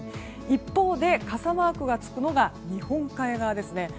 一方で、傘マークがつくのが日本海側ですね。